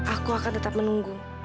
aku akan tetap menunggu